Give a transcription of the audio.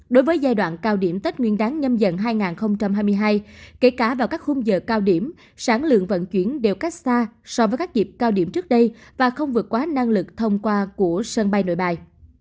đối với giai đoạn cao điểm tết nguyên đáng nhâm dần hai nghìn hai mươi hai kể cả vào các khung giờ cao điểm sản lượng vận chuyển đều cách xa so với các dịp cao điểm trước đây và không vượt quá năng lực thông qua của sân bay nội bài